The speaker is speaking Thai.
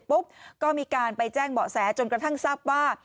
ก็พบก็มีการไปแจ้งเหมาะแสจนกระทั่งทรัพย์ว่า